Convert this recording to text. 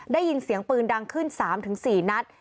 ได้ยินเสียงปืนดังขึ้น๓๔นัด